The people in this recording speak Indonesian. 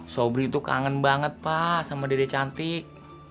sobri itu kangen banget pak sama dede cantik